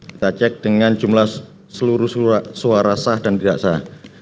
kita cek dengan jumlah seluruh suara sah dan tidak sah